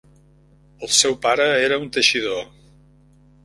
El seu pare era un teixidor.